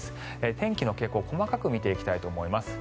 天気の傾向細かく見ていきたいと思います。